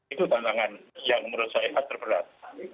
itu tantangan yang menurut saya terberat